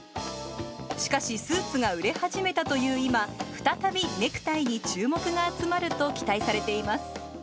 しかし、スーツが売れ始めたという今、再びネクタイに注目が集まると期待されています。